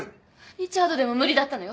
リチャードでも無理だったのよ。